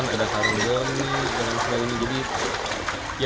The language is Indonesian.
ada kelopok plastik pantanan karung gomi dan semua ini